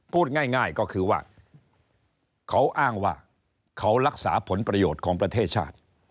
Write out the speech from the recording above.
พูดง่ายก็คือว่าเขาอ้างว่าเขารักษาผลประโยชน์ของประเทศชาติ